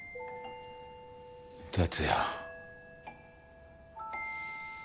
達也。